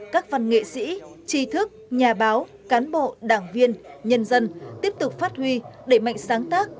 các văn nghệ sĩ tri thức nhà báo cán bộ đảng viên nhân dân tiếp tục phát huy đẩy mạnh sáng tác